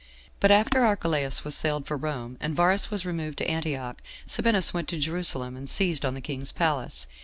But after Archelaus was sailed for Rome, and Varus was removed to Antioch, Sabinus went to Jerusalem, and seized on the king's palace.